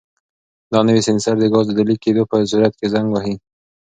دا نوی سینسر د ګازو د لیک کېدو په صورت کې زنګ وهي.